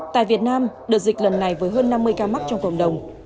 tại việt nam đợt dịch lần này với hơn năm mươi ca mắc trong cộng đồng